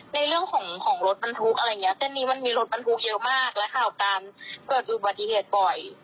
ในเรื่องของของรถบรรทุกอะไรอย่างเงี้เส้นนี้มันมีรถบรรทุกเยอะมากและข่าวการเกิดอุบัติเหตุบ่อย